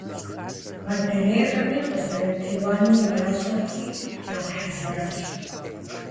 Модрейхэми къазэрытеуэнур ящӏэрти, загъэхьэзыращ.